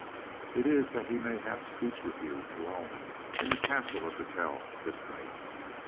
It is that he may have speech with you, alone, in the castle of Battel this night.